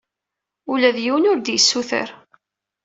Ula d yiwen ur d-yessuter.